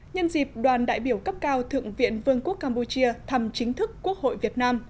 nhân dịp đoàn đại biểu cấp cao thượng viện vương quốc campuchia thăm chính thức quốc hội việt nam